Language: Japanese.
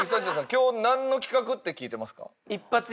今日なんの企画って聞いてますか？